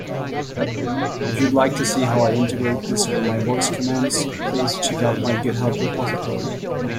If you'd like to see how I integrate this with my voice commands, please check out my GitHub repository.